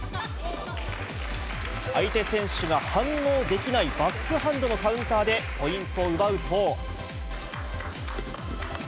相手選手が反応できないバックハンドのカウンターでポイントを奪うと。